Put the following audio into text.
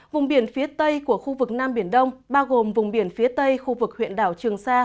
vùng biển phía tây của khu vực nam biển đông bao gồm vùng biển phía tây khu vực huyện đảo trường sa